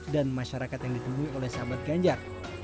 dan masyarakat yang ditemui oleh sahabat ganjar